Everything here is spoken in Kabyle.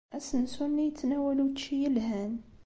Asensu-nni yettnawal učči yelhan.